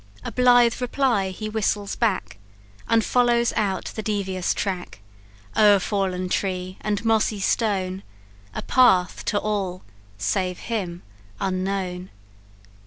"A blithe reply he whistles back, And follows out the devious track, O'er fallen tree and mossy stone A path to all, save him, unknown.